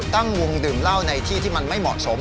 ตั้งวงดื่มเหล้าในที่ที่มันไม่เหมาะสม